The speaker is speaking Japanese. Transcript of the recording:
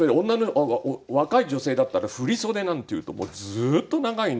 若い女性だったら振袖なんていうとずっと長いんですね。